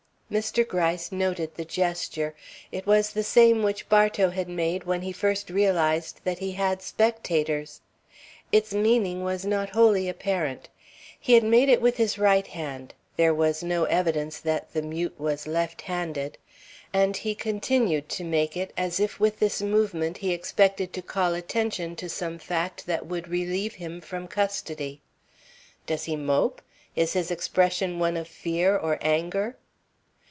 Mr. Gryce noted the gesture; it was the same which Bartow had made when he first realized that he had spectators. Its meaning was not wholly apparent. He had made it with his right hand (there was no evidence that the mute was left handed), and he continued to make it as if with this movement he expected to call attention to some fact that would relieve him from custody. "Does he mope? Is his expression one of fear or anger?"